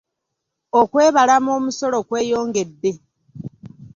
Okwebalama omusolo kweyongedde.